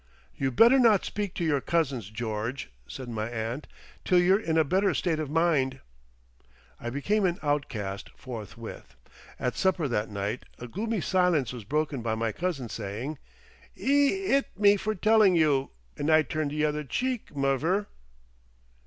"You better not speak to your cousins, George," said my aunt, "till you're in a better state of mind." I became an outcast forthwith. At supper that night a gloomy silence was broken by my cousin saying, "'E 'it me for telling you, and I turned the other cheek, muvver."